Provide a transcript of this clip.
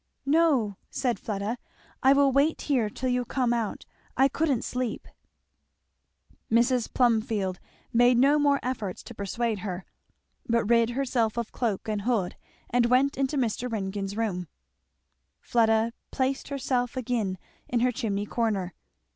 "No," said Fleda, "I will wait here till you come out. I couldn't sleep." Mrs. Plumfield made no more efforts to persuade her, but rid herself of cloak and hood and went into Mr. Ringgan's room. Fleda placed herself again in her chimney corner.